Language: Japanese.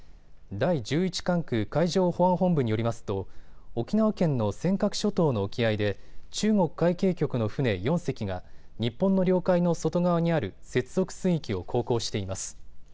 第１１管区海上保安本部によりますと沖縄県の尖閣諸島の沖合で中国海警局の船４隻が日本の領海の外側にある接続水域を航行しています。